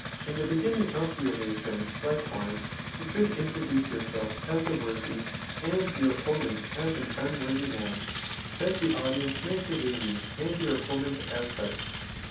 In the beginning of the oration, likewise, you should introduce yourself as a worthy, [and your oppo nent as an unworthy] man, that the audience may survey you and your opponent as such.